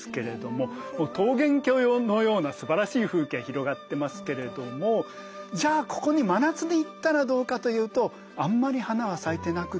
もう桃源郷のようなすばらしい風景が広がってますけれどもじゃあここに真夏で行ったらどうかというとあんまり花は咲いてなくて